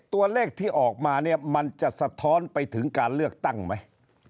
ตัวเลขที่ออกมาเนี่ยมันจะสะท้อนไปถึงการเลือกตั้งไหม